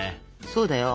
そうだよ。